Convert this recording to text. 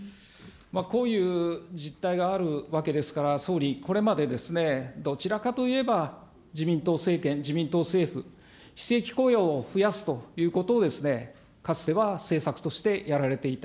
こういう実態があるわけですから、総理、これまでですね、どちらかといえば、自民党政権、自民党政府、非正規雇用を増やすということを、かつては政策としてやられていた。